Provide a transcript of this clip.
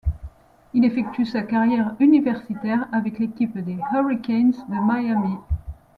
Il effectue sa carrière universitaire avec l'équipe des Hurricanes de Miami.